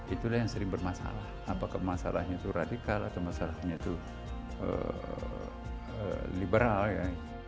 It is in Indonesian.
itulah yang sering bermasalah apakah masalahnya itu radikal atau masalahnya itu liberal ya